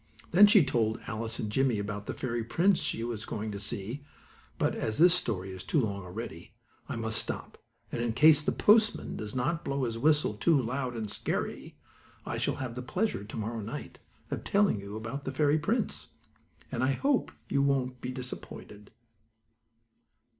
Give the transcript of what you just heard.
Then she told Alice and Jimmie about the fairy prince she was going to see, but, as this story is too long already, I must stop, and in case the postman does not blow his whistle too loud and scary, I shall have the pleasure, to morrow night, of telling you about the fairy prince. And I hope you won't be disappointed.